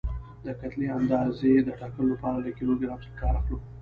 د کتلې اندازې د ټاکلو لپاره له کیلو ګرام څخه کار اخلو.